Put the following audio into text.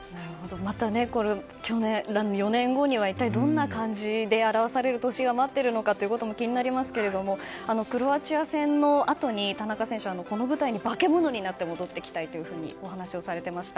また４年後にはどんな漢字で表される年になるのか気になりますけれどもクロアチア戦のあとに田中選手はこの舞台に化け物になって戻ってきたいとお話をされていました。